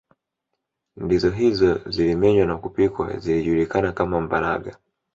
ndizi hizo zilimenywa na kupikwa zilijulikana kama mbalaga